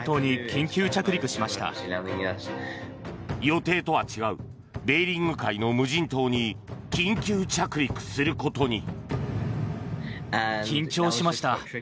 予定とは違うベーリング海の無人島に緊急着陸することに。